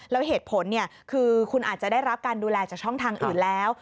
แล้วเหตุผลคือคุณอาจจะได้รับการดูแลจากช่องทางอื่นแล้ว